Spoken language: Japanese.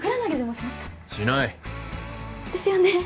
しないですよね